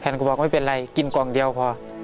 กูบอกไม่เป็นไรกินกล่องเดียวพอ